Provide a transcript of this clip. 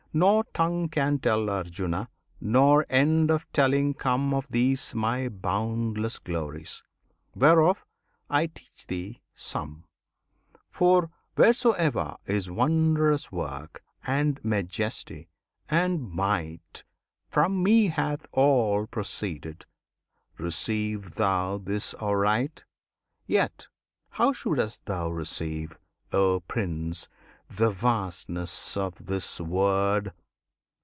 Nor tongue can tell, Arjuna! nor end of telling come Of these My boundless glories, whereof I teach thee some; For wheresoe'er is wondrous work, and majesty, and might, From Me hath all proceeded. Receive thou this aright! Yet how shouldst thou receive, O Prince! the vastness of this word?